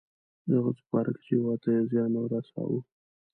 د هغه څه په باره کې چې هیواد ته یې زیان رساوه.